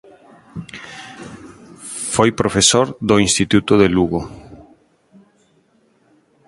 Foi profesor do Instituto de Lugo.